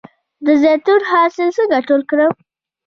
د زیتون حاصل څنګه ټول کړم؟